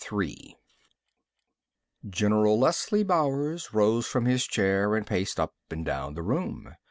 V General Leslie Bowers rose from his chair and paced up and down the room.